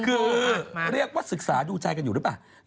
คือเรียกว่าศึกษาดูใจกันอยู่หรือเปล่า